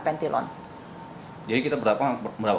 pentilon jadi kita berapa